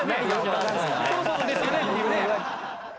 そろそろですよねっていうね。